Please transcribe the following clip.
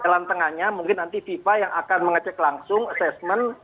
jalan tengahnya mungkin nanti fifa yang akan mengecek langsung assessment